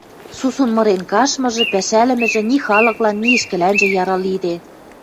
сусун мырен каштмыжы, пӓшӓлӹмӹжӹ ни халыклан, ни ӹшкӹлӓнжӹ ярал лиде.